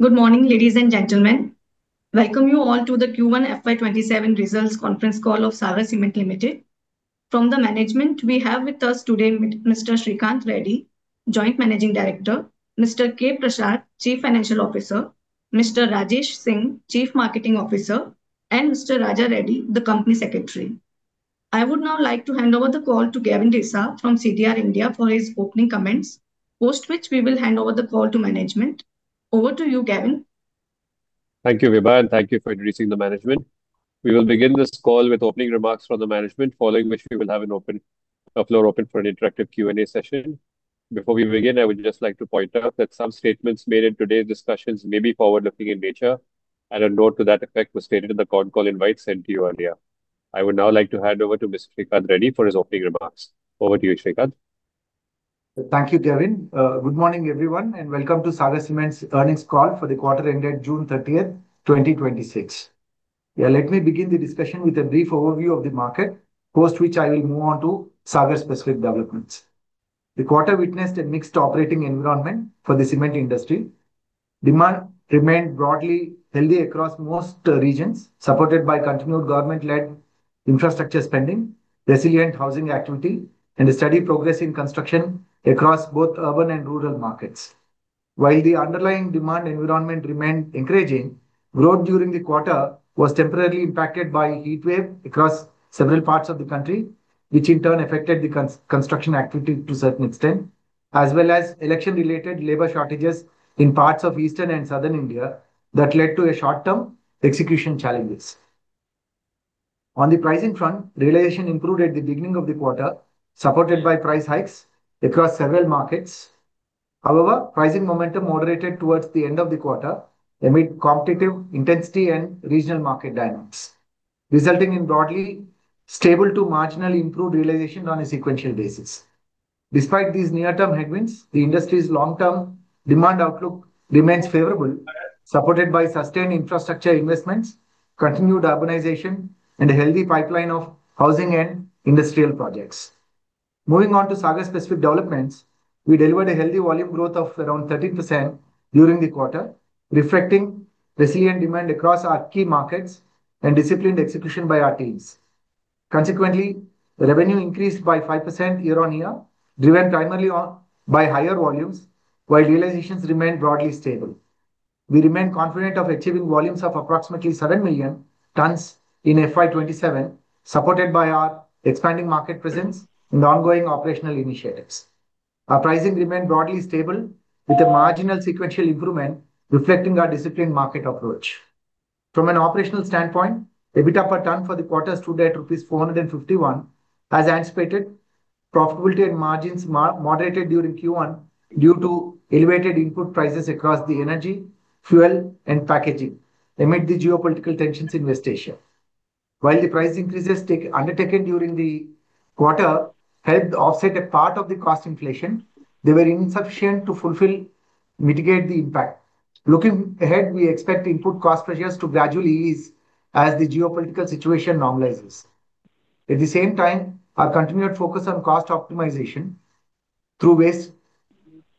Good morning, ladies and gentlemen. Welcome you all to the Q1 FY 2027 results conference call of Sagar Cements Limited. From the management, we have with us today Mr. S. Sreekanth Reddy, Joint Managing Director, Mr. K. Prasad, Chief Financial Officer, Mr. Rajesh Singh, Chief Marketing Officer, and Mr. Raja Reddy, the Company Secretary. I would now like to hand over the call to Gavin Desa from CDR India for his opening comments, post which we will hand over the call to management. Over to you, Gavin. Thank you, Vibha, and thank you for introducing the management. We will begin this call with opening remarks from the management, following which we will have the floor open for an interactive Q&A session. Before we begin, I would just like to point out that some statements made in today's discussions may be forward-looking in nature, and a note to that effect was stated in the conference call invite sent to you earlier. I would now like to hand over to Mr. Sreekanth Reddy for his opening remarks. Over to you, Sreekanth. Thank you, Gavin. Good morning, everyone, and welcome to Sagar Cements' earnings call for the quarter ending June 30, 2026. Let me begin the discussion with a brief overview of the market, post which I will move on to Sagar specific developments. The quarter witnessed a mixed operating environment for the cement industry. Demand remained broadly healthy across most regions, supported by continued government-led infrastructure spending, resilient housing activity, and a steady progress in construction across both urban and rural markets. While the underlying demand environment remained encouraging, growth during the quarter was temporarily impacted by heat wave across several parts of the country, which in turn affected the construction activity to a certain extent, as well as election-related labor shortages in parts of Eastern and Southern India that led to short-term execution challenges. On the pricing front, realization improved at the beginning of the quarter, supported by price hikes across several markets. However, pricing momentum moderated towards the end of the quarter amid competitive intensity and regional market dynamics, resulting in broadly stable to marginal improved realization on a sequential basis. Despite these near-term headwinds, the industry's long-term demand outlook remains favorable, supported by sustained infrastructure investments, continued urbanization, and a healthy pipeline of housing and industrial projects. Moving on to Sagar specific developments, we delivered a healthy volume growth of around 13% during the quarter, reflecting resilient demand across our key markets and disciplined execution by our teams. Consequently, revenue increased by 5% year-on-year, driven primarily by higher volumes while realizations remained broadly stable. We remain confident of achieving volumes of approximately seven million tons in FY 2027, supported by our expanding market presence and ongoing operational initiatives. Our pricing remained broadly stable with a marginal sequential improvement reflecting our disciplined market approach. From an operational standpoint, the EBITDA per tonne for the quarter stood at INR 451 per metric tonne. As anticipated, profitability and margins moderated during Q1 due to elevated input prices across the energy, fuel, and packaging amid the geopolitical tensions in West Asia. While the price increases undertaken during the quarter helped offset a part of the cost inflation, they were insufficient to mitigate the impact. Looking ahead, we expect input cost pressures to gradually ease as the geopolitical situation normalizes. At the same time, our continued focus on cost optimization through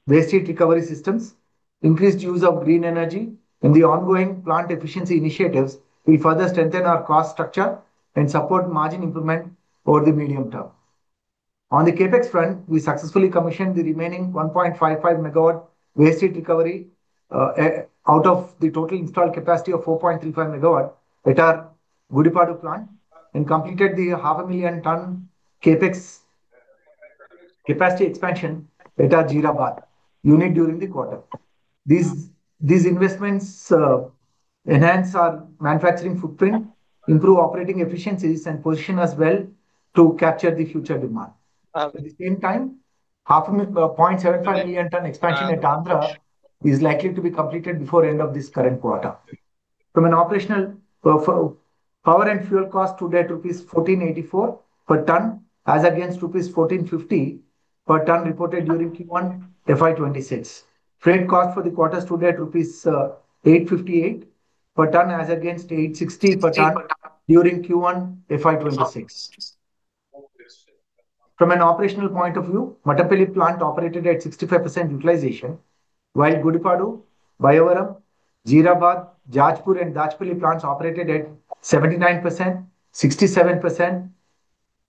waste heat recovery systems, increased use of green energy, and the ongoing plant efficiency initiatives will further strengthen our cost structure and support margin improvement over the medium-term. On the CapEx front, we successfully commissioned the remaining 1.55 MW waste heat recovery out of the total installed capacity of 4.35 MW at our Gudipadu plant and completed the half a million ton CapEx capacity expansion at our Jeerabad unit during the quarter. These investments enhance our manufacturing footprint, improve operating efficiencies, and position us well to capture the future demand. At the same time, 0.75 million tonne expansion at Andhra is likely to be completed before the end of this current quarter. From an operational, power and fuel cost stood at rupees 1,484 per tonne as against rupees 1,450 per tonne reported during Q1 FY 2026. Freight cost for the quarter stood at rupees 858 per tonne as against 860 per tonne during Q1 FY 2026. From an operational point of view, Mattampally plant operated at 65% utilization while Gudipadu, Bayyavaram, Jeerabad, Jajpur, and Dachepalli plants operated at 79%, 67%,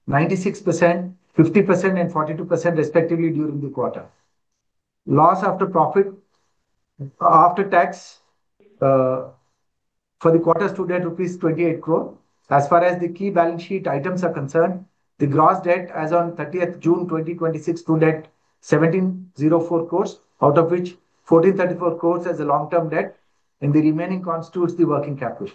96%, 50%, and 42% respectively during the quarter. Profit after tax for the quarter stood at rupees 28 crore. As far as the key balance sheet items are concerned, the gross debt as on 30th June 2026 stood at 1,704 crore, out of which 1,434 crore as a long-term debt and the remaining constitutes the working capital.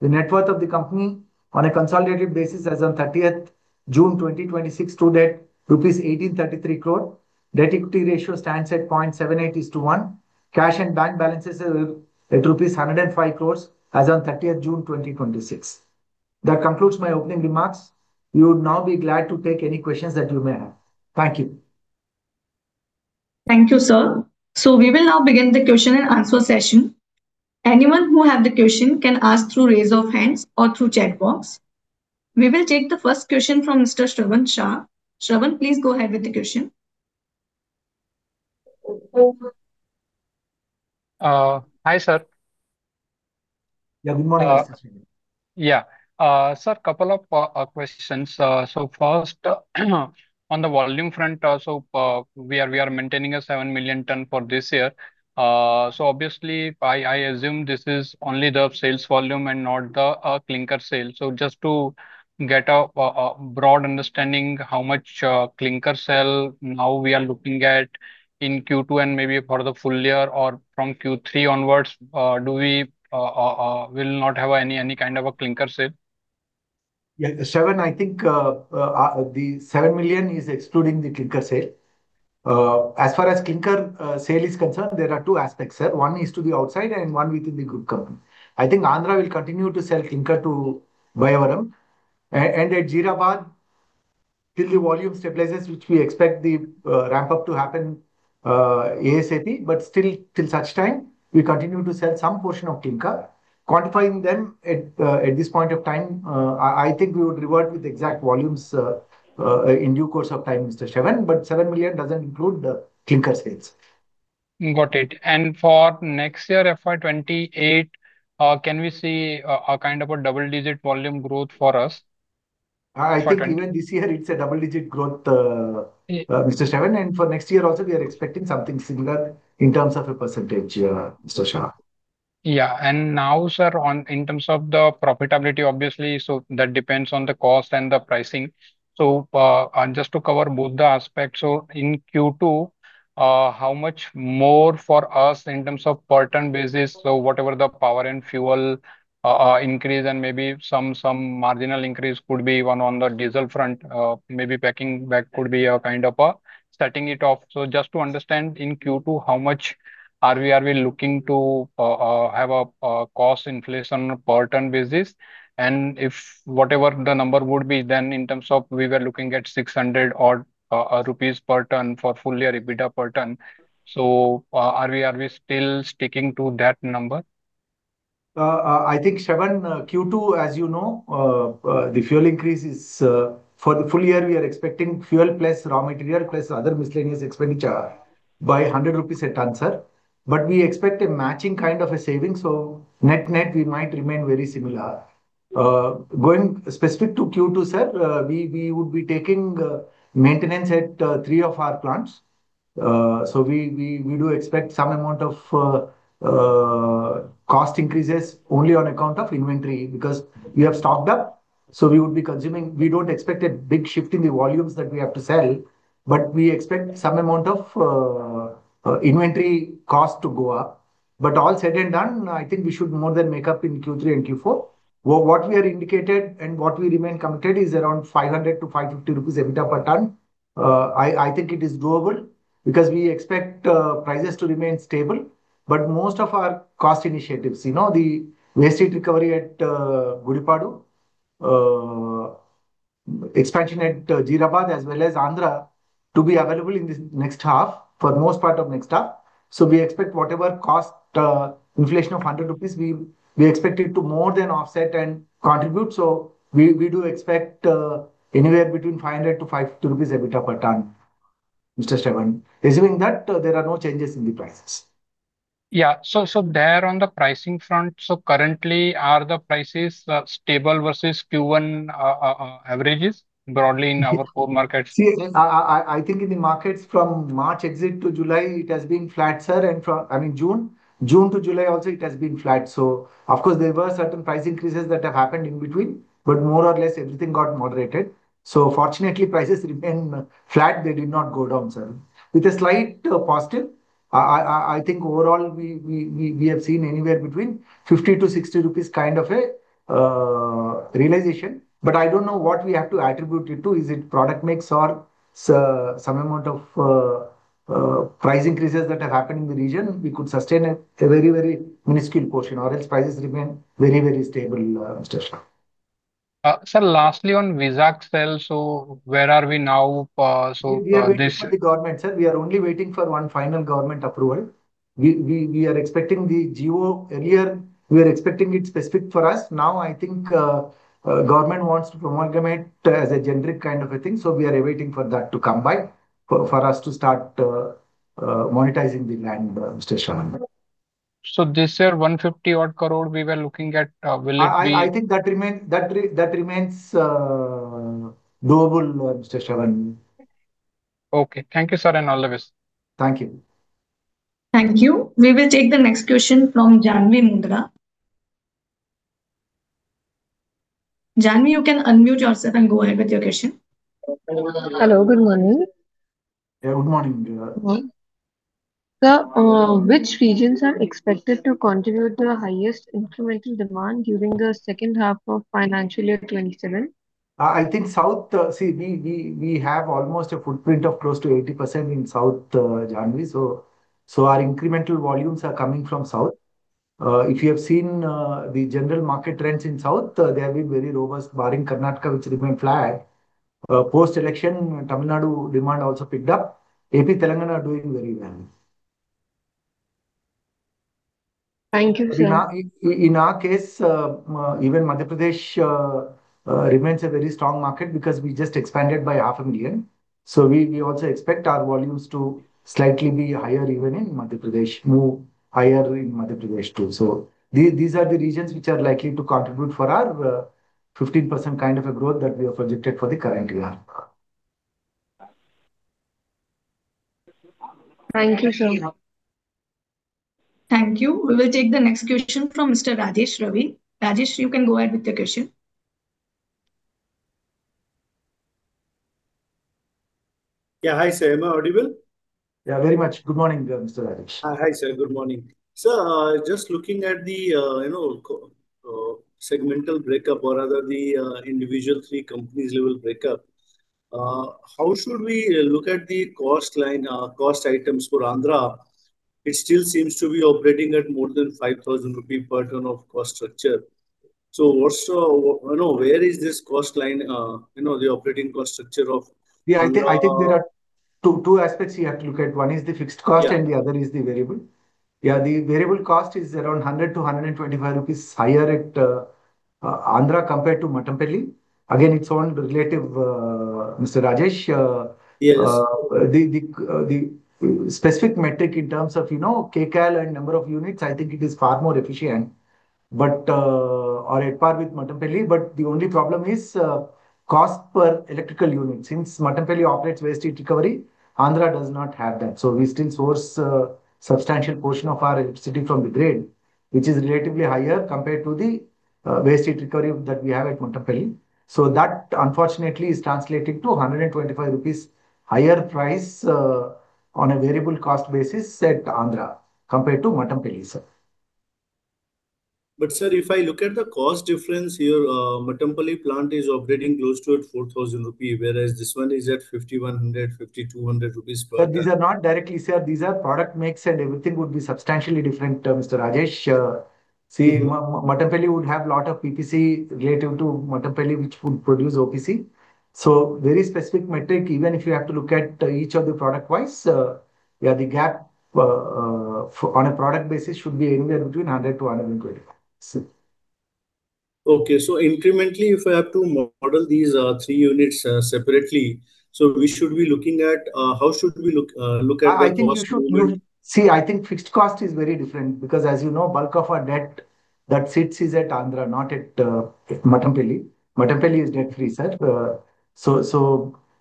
The net worth of the company on a consolidated basis as on 30th June 2026 stood at rupees 1,833 crore. Debt equity ratio stands at 0.78:1. Cash and bank balances at rupees 105 crore as on 30th June 2026. That concludes my opening remarks. We would now be glad to take any questions that you may have. Thank you. Thank you, sir. We will now begin the question-and-answer session. Anyone who have the question can ask through raise of hands or through chat box. We will take the first question from Mr. Shravan Shah. Shravan, please go ahead with the question. Hi, sir. Good morning. Sir, couple of questions. First, on the volume front, we are maintaining a 7 million tonne for this year. Obviously, I assume this is only the sales volume and not the clinker sale. Just to get a broad understanding, how much clinker sale now we are looking at in Q2 and maybe for the full-year or from Q3 onwards, do we will not have any kind of a clinker sale? Shravan, I think the 7 million tonne is excluding the clinker sale. As far as clinker sale is concerned, there are two aspects here. One is to the outside and one within the group company. I think Andhra will continue to sell clinker to Bayyavaram. At Jeerabad, till the volume stabilizes, which we expect the ramp-up to happen ASAP, still till such time, we continue to sell some portion of clinker. Quantifying them at this point of time, I think we would revert with exact volumes in due course of time, Mr. Shravan, 7 million tonne doesn't include the clinker sales. Got it. For next year, FY 2028, can we see a kind of a double-digit volume growth for us? I think even this year it's a double-digit growth- Yeah Mr. Shravan, for next year also, we are expecting something similar in terms of a percentage, Mr. Shah. Yeah. Now, sir, in terms of the profitability, obviously, so that depends on the cost and the pricing. Just to cover both the aspects, so in Q2, how much more for us in terms of per ton basis, so whatever the power and fuel increase, and maybe some marginal increase could be one on the diesel front, maybe packing bag could be a kind of setting it off. Just to understand, in Q2, how much are we looking to have a cost inflation per ton basis, and if whatever the number would be then in terms of we were looking at 600 rupees odd per tonne for full-year EBITDA per tonne. Are we still sticking to that number? I think, Shravan, Q2, as you know, the fuel increase is, for the full-year, we are expecting fuel plus raw material, plus other miscellaneous expenditure by 100 rupees a tonne, sir. We expect a matching kind of a saving, so net-net, we might remain very similar. Going specific to Q2, sir, we would be taking maintenance at three of our plants. We do expect some amount of cost increases only on account of inventory because we have stocked up, so we would be consuming. We don't expect a big shift in the volumes that we have to sell, but we expect some amount of inventory cost to go up. All said and done, I think we should more than make up in Q3 and Q4. What we have indicated and what we remain committed is around 500-550 rupees EBITDA per tonne. I think it is doable because we expect prices to remain stable. Most of our cost initiatives, the waste heat recovery at Gudipadu, expansion at Jeerabad, as well as Andhra to be available in this next half, for most part of next half. We expect whatever cost inflation of 100 rupees, we expect it to more than offset and contribute. We do expect anywhere between 500-550 rupees EBITDA per tonne, Mr. Shravan. Assuming that there are no changes in the prices. There on the pricing front, currently are the prices stable versus Q1 averages broadly in our core markets? In the markets from March exit to July, it has been flat, sir. From June to July also it has been flat. Of course, there were certain price increases that have happened in between, but more or less everything got moderated. Fortunately, prices remained flat, they did not go down, sir. With a slight positive, I think overall, we have seen anywhere between 50-60 rupees kind of a realization, but I don't know what we have to attribute it to. Is it product mix or some amount of price increases that have happened in the region? We could sustain a very minuscule portion, or else prices remain very stable, Mr. Shah. Sir, lastly on Vizag sale, where are we now? We are waiting for the government, sir. We are only waiting for one final government approval. We are expecting the GO earlier. We are expecting it specific for us. I think, government wants to amalgamate as a generic kind of a thing. We are waiting for that to come by for us to start monetizing the land, Mr. Shravan. This year, 150 odd crore we were looking at, will it be? I think that remains doable, Mr. Shravan. Okay. Thank you, sir, and all the best. Thank you. Thank you. We will take the next question from Janhvi Mundra. Janhvi, you can unmute yourself and go ahead with your question. Hello. Good morning. Yeah, good morning. Good morning. Sir, which regions are expected to contribute the highest incremental demand during the second half of financial year 2027? I think South, we have almost a footprint of close to 80% in South, Janhvi. Our incremental volumes are coming from South. If you have seen the general market trends in South, they have been very robust, barring Karnataka, which remained flat. Post-election, Tamil Nadu demand also picked up. AP, Telangana are doing very well. Thank you, sir. In our case, even Madhya Pradesh remains a very strong market because we just expanded by half a million tonnes. We also expect our volumes to slightly be higher even in Madhya Pradesh, move higher in Madhya Pradesh, too. These are the regions which are likely to contribute for our 15% kind of a growth that we have projected for the current year. Thank you, sir. Thank you. We will take the next question from Mr. Rajesh Ravi. Rajesh, you can go ahead with the question. Yeah. Hi, sir. Am I audible? very much. Good morning, Mr. Rajesh. Hi, sir. Good morning. Sir, just looking at the segmental breakup or rather the individual three companies' level breakup, how should we look at the cost line, cost items for Andhra? It still seems to be operating at more than 5,000 rupee per tonne of cost structure. Where is this cost line, the operating cost structure of. I think there are two aspects you have to look at. One is the fixed cost and the other is the variable. The variable cost is around 100 to 125 rupees per tonne higher at Andhra compared to Mattampally. Again, it's all relative, Mr. Rajesh. Yes. The specific metric in terms of kCal and number of units, I think it is far more efficient, or at par with Mattampally. The only problem is, cost per electrical unit. Since Mattampally operates waste heat recovery, Andhra does not have that. We still source a substantial portion of our electricity from the grid, which is relatively higher compared to the waste heat recovery that we have at Mattampally. That, unfortunately is translating to 125 rupees higher price, on a variable cost basis at Andhra compared to Mattampally, sir. sir, if I look at the cost difference here, Mattampally plant is operating close to at 4,000 rupees, per tonne whereas this one is at 5,100-5,200 rupees per tonne. These are not directly, sir. These are product mix and everything would be substantially different, Mr. Rajesh. See, Mattampally would have lot of PPC relative to Mattampally, which would produce OPC. Very specific metric. Even if you have to look at each of the product wise, the gap, on a product basis should be anywhere between 100 to 125 per tonne Incrementally, if I have to model these three units separately, how should we look at the cost? I think fixed cost is very different because as you know, bulk of our debt that sits is at Andhra, not at Mattampally. Mattampally is debt-free, sir.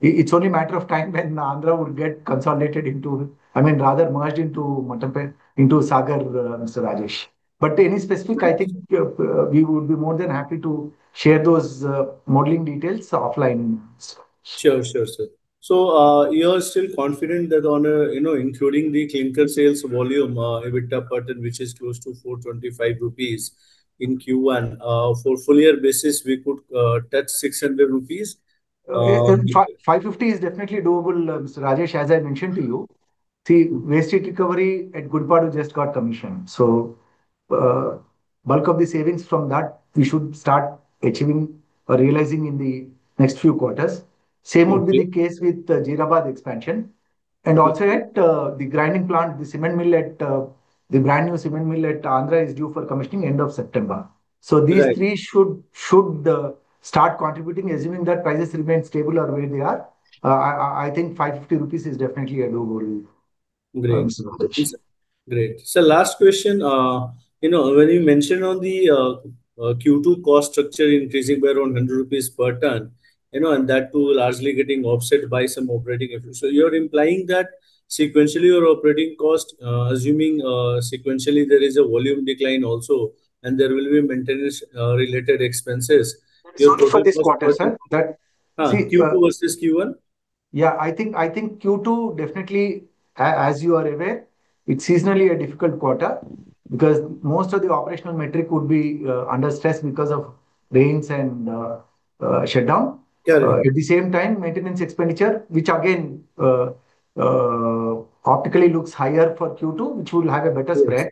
It's only a matter of time when Andhra would get consolidated into, rather merged into Sagar, Mr. Rajesh. Any specific, I think we would be more than happy to share those modeling details offline. Sure, sir. You are still confident that including the clinker sales volume, EBITDA pattern, which is close to 425 rupees per tonne in Q1, for full-year basis, we could touch 600 rupees per tonne? 550 rupees per tonne is definitely doable, Mr. Rajesh, as I mentioned to you. Waste heat recovery at Gudipadu just got commissioned. Bulk of the savings from that we should start achieving or realizing in the next few quarters. Same would be the case with Jeerabad expansion. Also at the grinding plant, the brand new cement mill at Andhra is due for commissioning end of September. Right. These three should start contributing, assuming that prices remain stable or where they are. I think 550 rupees per tonne is definitely a doable. Great. Sir, last question. When you mention on the Q2 cost structure increasing by around 100 rupees per tonne, and that too largely getting offset by some operating efficiency, you're implying that sequentially, your operating cost, assuming sequentially, there is a volume decline also, and there will be maintenance related expenses. Not for this quarter, sir. Q2 versus Q1. I think Q2 definitely, as you are aware, it's seasonally a difficult quarter because most of the operational metric would be under stress because of rains and shutdown. Yeah. At the same time, maintenance expenditure, which again optically looks higher for Q2, which will have a better spread.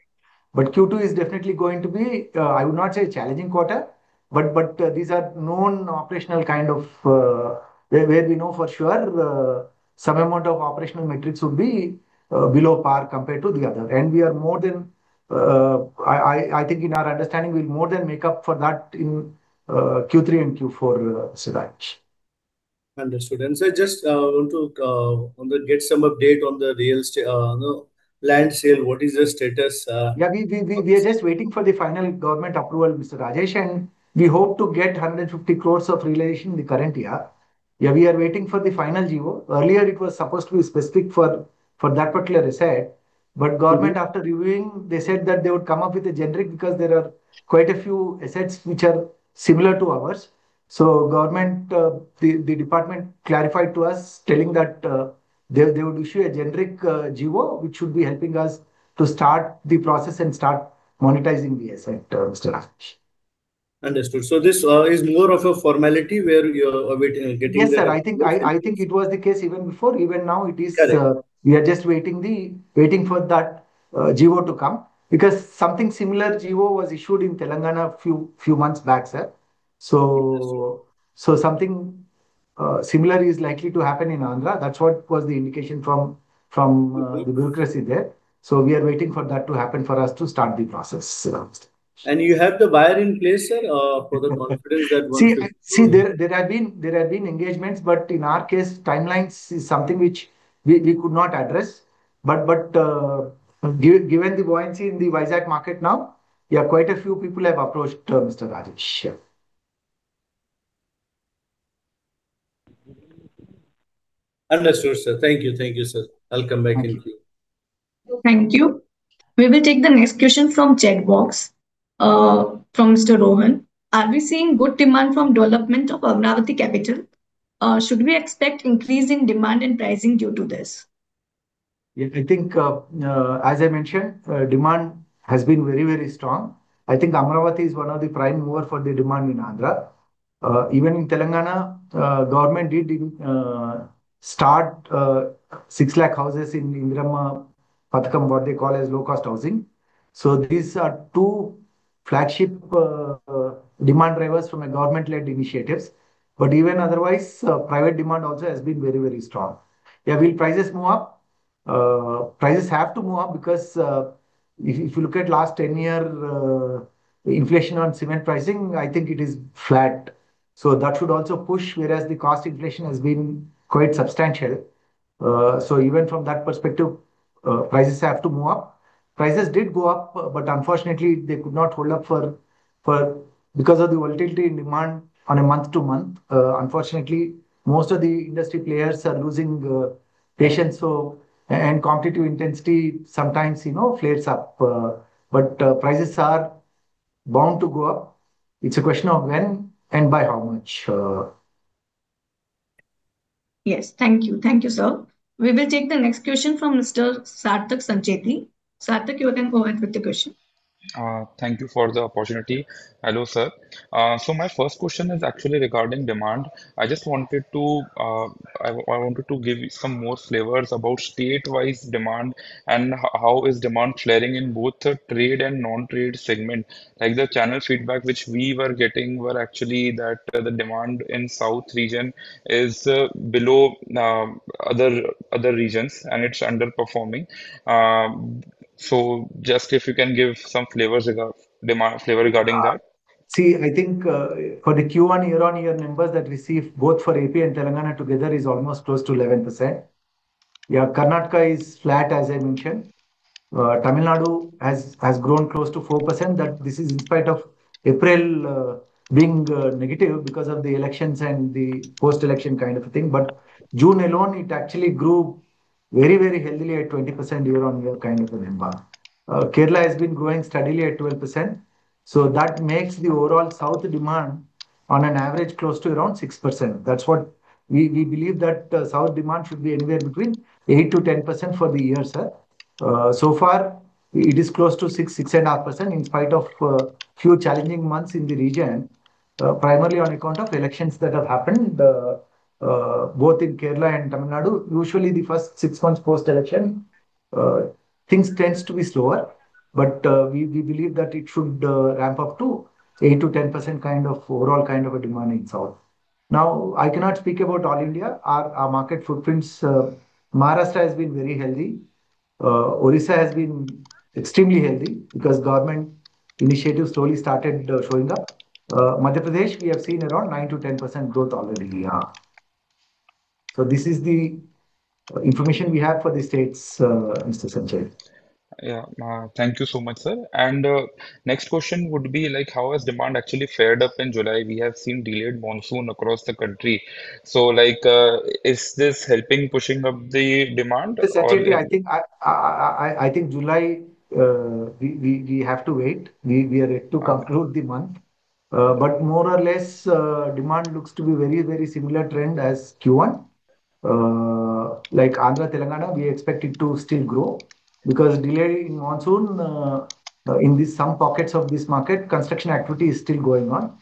Q2 is definitely going to be, I would not say a challenging quarter, but these are known operational kind of, where we know for sure some amount of operational metrics will be below par compared to the other. I think in our understanding, we'll more than make up for that in Q3 and Q4, Mr. Rajesh. Sir, just want to get some update on the land sale. What is the status? We are just waiting for the final government approval, Mr. Rajesh. We hope to get 150 crore of realization in the current year. We are waiting for the final GO. Earlier, it was supposed to be specific for that particular asset. Government, after reviewing, they said that they would come up with a generic because there are quite a few assets which are similar to ours. Government, the department clarified to us, telling that they would issue a generic GO, which should be helping us to start the process and start monetizing the asset, Mr. Rajesh. Understood. This is more of a formality where you're getting. Yes, sir. I think it was the case even before. Even now it is. Correct. We are just waiting for that GO to come, because something similar GO was issued in Telangana a few months back, sir. So something similar is likely to happen in Andhra. That's what was the indication from the bureaucracy there. We are waiting for that to happen for us to start the process. You have the buyer in place, sir, for the confidence? See, there have been engagements, but in our case, timelines is something which we could not address. Given the buoyancy in the Vizag market now, yeah, quite a few people have approached, Mr. Rajesh. Yeah. Understood, sir. Thank you. Thank you, sir. I'll come back in queue. Thank you. We will take the next question from Chatbox, from Mr. Rohan. Are we seeing good demand from development of Amaravati Capital? Should we expect increasing demand and pricing due to this? Yeah, I think, as I mentioned, demand has been very, very strong. I think Amaravati is one of the prime mover for the demand in Andhra. Even in Telangana, government did start six lakh houses in Indiramma Pathakam, what they call as low-cost housing. These are two flagship demand drivers from a government-led initiatives. Even otherwise, private demand also has been very, very strong. Yeah. Will prices move up? Prices have to move up because if you look at last 10 year, the inflation on cement pricing, I think it is flat. That should also push, whereas the cost inflation has been quite substantial. Even from that perspective, prices have to move up. Prices did go up, but unfortunately, they could not hold up because of the volatility in demand on a month-to-month. Unfortunately, most of the industry players are losing patience. Competitive intensity sometimes flares up, but prices are bound to go up. It's a question of when and by how much. Yes. Thank you. Thank you, sir. We will take the next question from Mr. [Sarthak Sanchaitli]. [Sarthak], you can go ahead with the question. Thank you for the opportunity. Hello, sir. My first question is actually regarding demand. I wanted to give some more flavors about state-wise demand and how is demand flaring in both the trade and non-trade segment. Like the channel feedback which we were getting were actually that the demand in South region is below other regions, and it's underperforming. Just if you can give some flavors regarding that. I think, for the Q1 year-on-year numbers that we see both for AP and Telangana together is almost close to 11%. Karnataka is flat, as I mentioned. Tamil Nadu has grown close to 4%, that this is in spite of April being negative because of the elections and the post-election kind of a thing. June alone, it actually grew very, very healthily at 20% year-on-year kind of a number. That makes the overall South demand, on an average, close to around 6%. We believe that South demand should be anywhere between 8%-10% for the year, sir. So far, it is close to 6%-6.5% In spite of a few challenging months in the region, primarily on account of elections that have happened, both in Kerala and Tamil Nadu. Usually, the first six months post-election, things tends to be slower, but we believe that it should ramp up to 8%-10% overall kind of a demand in South. I cannot speak about all-India. Our market footprints, Maharashtra has been very healthy. Odisha has been extremely healthy because government initiatives slowly started showing up. Madhya Pradesh, we have seen around 9%-10% growth already. This is the information we have for the states, Mr. [Sanchait]. Yeah. Thank you so much, sir. Next question would be: how has demand actually fared up in July? We have seen delayed monsoon across the country. Is this helping pushing up the demand or- Essentially, I think July, we have to wait. We are yet to conclude the month. More or less, demand looks to be very, very similar trend as Q1. Like Andhra, Telangana, we expect it to still grow because delay in monsoon, in some pockets of this market, construction activity is still going on.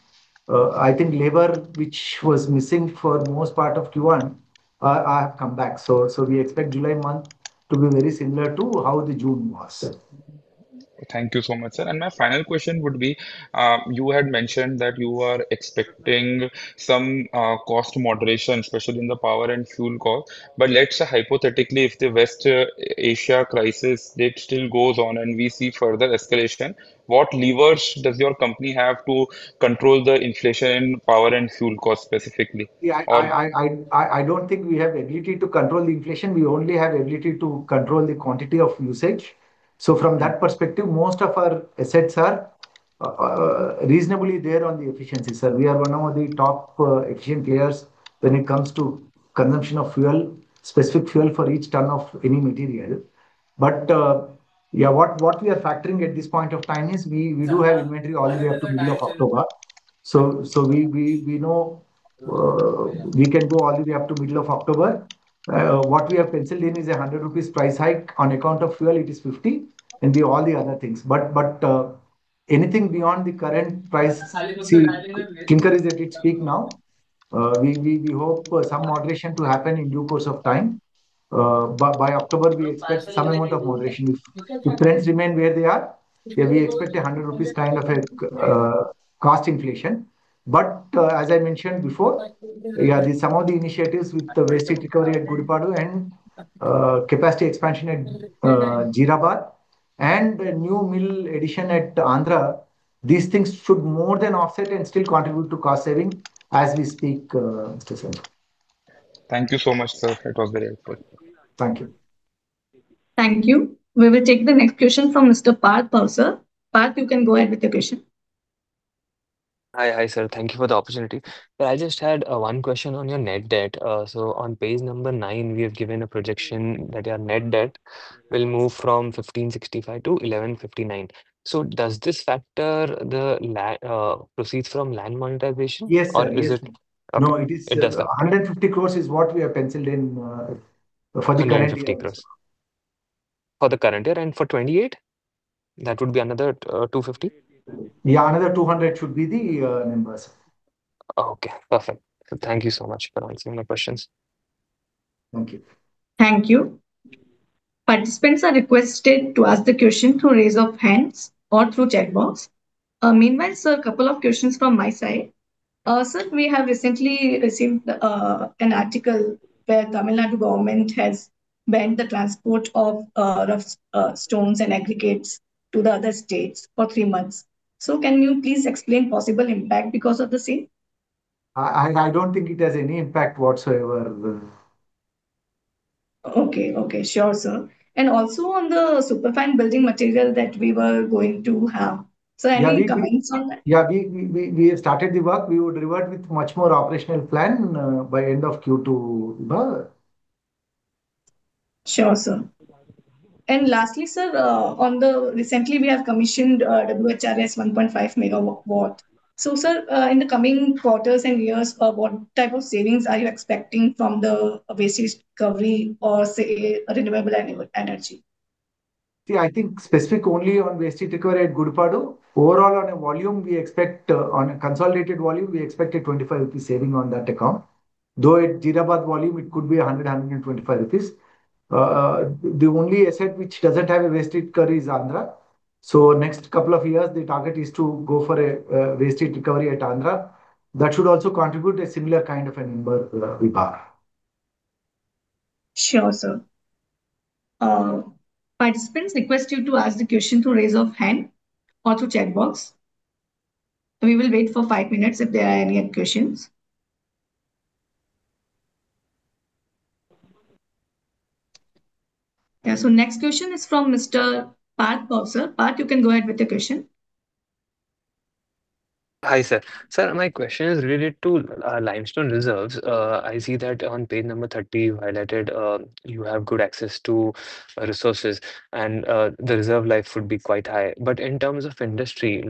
I think labor, which was missing for the most part of Q1, have come back. We expect July month to be very similar to how the June was. Thank you so much, sir. My final question would be, you had mentioned that you are expecting some cost moderation, especially in the power and fuel cost. Let's say hypothetically, if the West Asia crisis, it still goes on and we see further escalation, what levers does your company have to control the inflation, power and fuel cost specifically? Or- Yeah. I don't think we have ability to control the inflation. We only have ability to control the quantity of usage. From that perspective, most of our assets are reasonably there on the efficiency, sir. We are one of the top efficient players when it comes to consumption of fuel, specific fuel for each ton of any material. Yeah, what we are factoring at this point of time is we do have inventory all the way up to middle of October. We know we can go all the way up to middle of October. What we have penciled in is an 100 rupees price hike. On account of fuel, it is 50, and all the other things. Anything beyond the current price, see, clinker is at its peak now. We hope some moderation to happen in due course of time. By October, we expect some amount of moderation. If trends remain where they are, we expect an 100 rupees kind of a cost inflation. As I mentioned before, some of the initiatives with the waste heat recovery at Gudipadu and capacity expansion at Jeerabad and a new mill addition at Andhra, these things should more than offset and still contribute to cost saving as we speak, Mr. [Sarthak]. Thank you so much, sir. That was very helpful. Thank you. Thank you. We will take the next question from Mr. Parth Bowser. Parth, you can go ahead with the question. Hi, sir. Thank you for the opportunity. Sir, I just had one question on your net debt. On page number nine, we have given a projection that your net debt will move from 1,565 to 1,159. Does this factor the proceeds from land monetization? Yes, sir. Is it? No, it is. It does not. 150 crores is what we have penciled in for the current year. 150 crore for the current year. For 2028? That would be another 250 crore? Yeah, another 200 crore should be the number. Okay, perfect. Thank you so much for answering my questions. Thank you. Thank you. Participants are requested to ask the question through raise of hands or through chat box. Meanwhile, sir, couple of questions from my side. Sir, we have recently received an article where Tamil Nadu government has banned the transport of rough stones and aggregates to the other states for three months. Can you please explain possible impact because of the same? I don't think it has any impact whatsoever. Okay. Sure, sir. Also on the super fine building material that we were going to have. Sir, any comments on that? Yeah, we have started the work. We would revert with much more operational plan by end of Q2. Sure, sir. Lastly, sir, recently we have commissioned WHRS 1.5 MW. Sir, in the coming quarters and years, what type of savings are you expecting from the waste heat recovery or, say, renewable energy? See, I think specific only on waste heat recovery at Gudipadu. Overall, on a consolidated volume, we expect an 25 rupees saving on that account, though at Jeerabad volume it could be 125 rupees. The only asset which doesn't have a waste heat recovery is Andhra. Next couple of years, the target is to go for a waste heat recovery at Andhra. That should also contribute a similar kind of a number. Sure, sir. Participants request you to ask the question through raise of hand or through chat box. We will wait for five minutes if there are any other questions. Next question is from Mr. Parth Bowser. Parth, you can go ahead with the question. Hi, sir. Sir, my question is related to limestone reserves. I see that on page number 30, highlighted, you have good access to resources and the reserve life would be quite high. In terms of industry,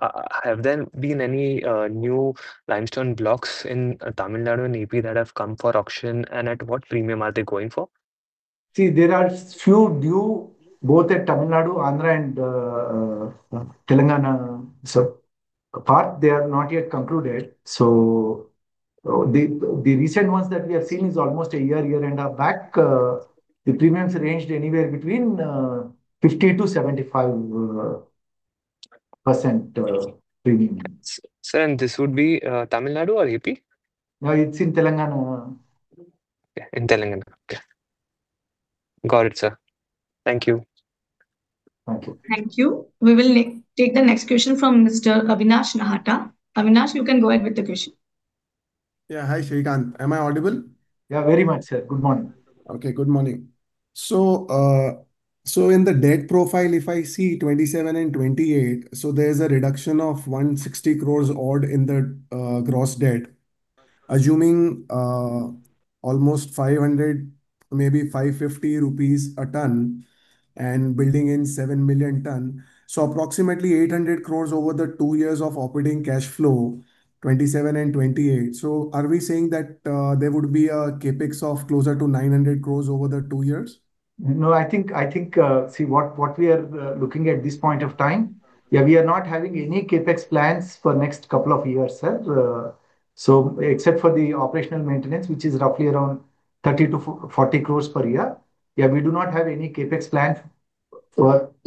have there been any new limestone blocks in Tamil Nadu and AP that have come for auction, and at what premium are they going for? See, there are few due both at Tamil Nadu, Andhra, and Telangana. Parth, they are not yet concluded. The recent ones that we have seen is almost a year and a half back. The premiums ranged anywhere between 50%-75% premium. Sir, this would be Tamil Nadu or AP? No, it's in Telangana. Okay. In Telangana. Okay. Got it, sir. Thank you. Thank you. Thank you. We will take the next question from Mr. Avinash Nahata. Avinash, you can go ahead with the question. Yeah. Hi, Sreekanth. Am I audible? Yeah, very much, sir. Good morning. Okay. Good morning. In the debt profile, if I see 2027 and 2028, there's a reduction of 160 crores odd in the gross debt, assuming almost 500 per tonne, maybe 550 rupees a tonne, and building in 7 million tonne. Approximately 800 crores over the two years of operating cash flow, 2027 and 2028. Are we saying that there would be a CapEx of closer to 900 crores over the two years? No, I think, see, what we are looking at this point of time, we are not having any CapEx plans for next couple of years, sir. Except for the operational maintenance, which is roughly around 30-40 crores per year, we do not have any CapEx plan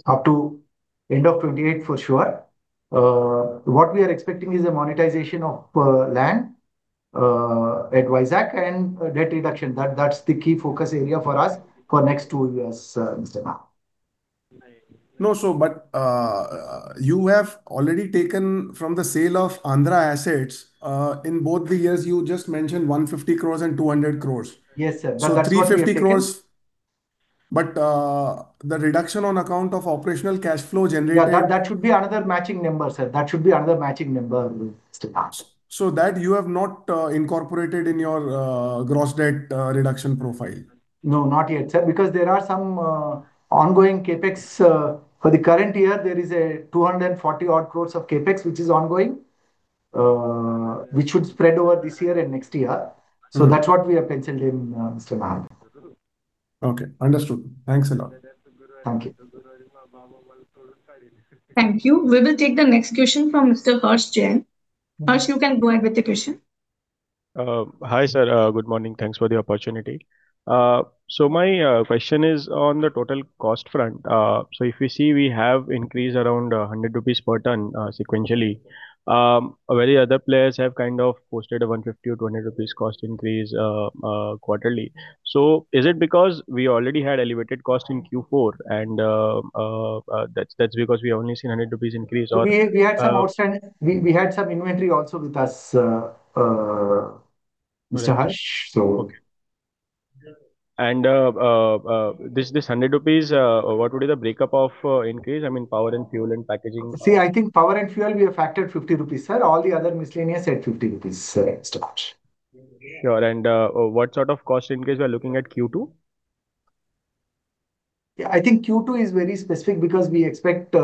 up to end of 2028, for sure. What we are expecting is a monetization of land at Vizag and a debt reduction. That's the key focus area for us for next two years, Mr. Nahata. You have already taken from the sale of Andhra assets. In both the years, you just mentioned 150 crore and 200 crore. Yes, sir. That's what we have taken. 350 crore, the reduction on account of operational cash flow generated- That should be another matching number, sir. That should be another matching number, Mr. Avinash That you have not incorporated in your gross debt reduction profile? No, not yet, sir. There are some ongoing CapEx. For the current year, there is 240 odd crores of CapEx, which is ongoing, which should spread over this year and next year. That's what we have penciled in, Mr. Nahata. Okay, understood. Thanks a lot. Thank you. Thank you. We will take the next question from Mr. Harsh Jain. Harsh, you can go ahead with the question. Hi, sir. Good morning. Thanks for the opportunity. My question is on the total cost front. If you see, we have increased around 100 rupees per tonne sequentially, where the other players have posted a 150 per tonne or 200 rupees per tonne cost increase quarterly. Is it because we already had elevated cost in Q4, and that's because we only seen 100 rupees per tonne increase? We had some outstanding inventory also with us, Mr. Harsh. Okay. This INR 100 per tonne, what would be the breakup of increase? I mean, power and fuel and packaging. See, I think power and fuel, we have factored 50 rupees, sir. All the other miscellaneous had 50 rupees, Mr. Harsh. Sure. What sort of cost increase we are looking at Q2? I think Q2 is very specific because we expect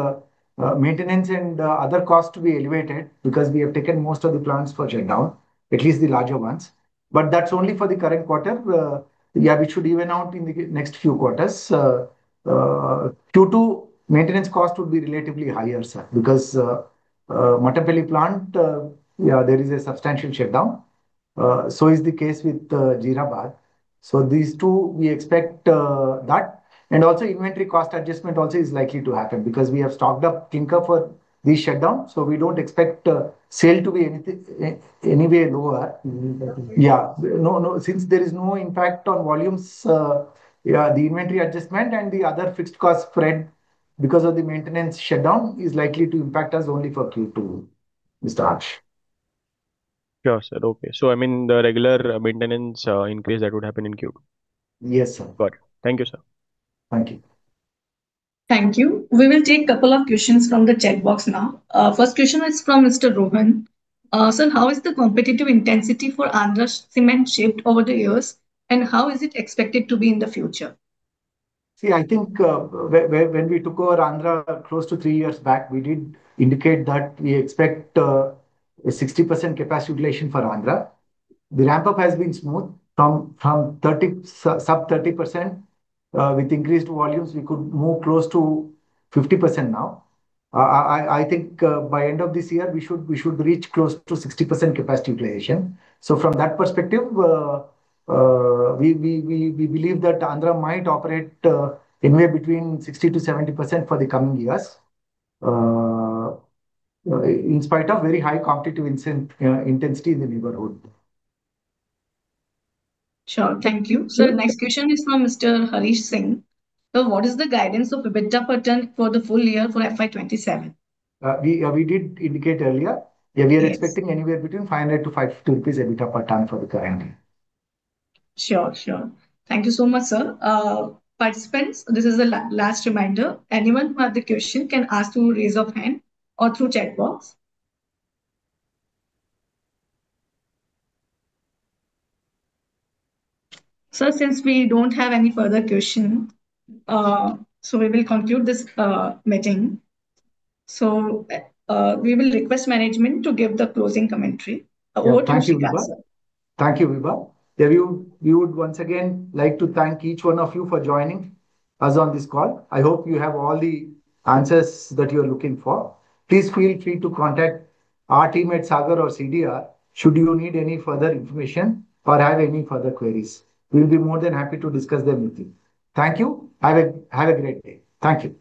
maintenance and other costs to be elevated because we have taken most of the plants for shutdown, at least the larger ones. That's only for the current quarter, which should even out in the next few quarters. Q2 maintenance cost would be relatively higher, sir, because Mattampally plant there is a substantial shutdown. Is the case with Jeerabad. These two, we expect that, and also inventory cost adjustment also is likely to happen because we have stocked up clinker for this shutdown, so we don't expect sale to be any way lower. No, since there is no impact on volumes, the inventory adjustment and the other fixed cost spread because of the maintenance shutdown is likely to impact us only for Q2, Mr. Harsh. Sure, sir. Okay. I mean the regular maintenance increase that would happen in Q2. Yes, sir. Got it. Thank you, sir. Thank you. Thank you. We will take couple of questions from the chat box now. First question is from Mr. Rohan. Sir, how is the competitive intensity for Andhra Cements shaped over the years, and how is it expected to be in the future? I think when we took over Andhra close to three years back, we did indicate that we expect a 60% capacity utilization for Andhra. The ramp up has been smooth from sub 30%, with increased volumes, we could move close to 50% now. I think by end of this year, we should reach close to 60% capacity utilization. From that perspective, we believe that Andhra might operate anywhere between 60%-70% for the coming years, in spite of very high competitive intensity in the neighborhood. Sure. Thank you. Sir, next question is from Mr. Harish Singh. Sir, what is the guidance of EBITDA per tonne for the full-year for FY 2027? We did indicate earlier. Yes. We are expecting anywhere between 500-550 rupees EBITDA per tonne for the current year. Sure. Thank you so much, sir. Participants, this is the last reminder. Anyone who have the question can ask to raise a hand or through chat box. Sir, since we don't have any further question, we will conclude this meeting. We will request management to give the closing commentary. Over to you, sir. Thank you, Vibha. We would once again like to thank each one of you for joining us on this call. I hope you have all the answers that you're looking for. Please feel free to contact our team at Sagar or CDR should you need any further information or have any further queries. We'll be more than happy to discuss them with you. Thank you. Have a great day. Thank you.